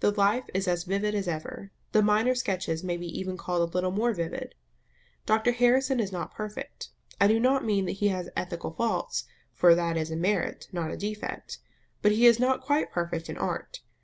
The life is as vivid as ever; the minor sketches may be even called a little more vivid. Dr Harrison is not perfect. I do not mean that he has ethical faults, for that is a merit, not a defect; but he is not quite perfect in art.